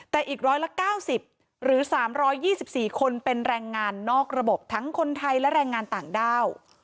แต่อีกร้อยละ๙๐หรือ๓๒๔คนเป็นแรงงานนอกระบบทั้งคนไทยและแรงงานต่างด้าว